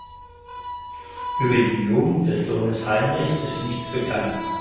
Über die Jugend des Sohnes Heinrich ist nichts bekannt.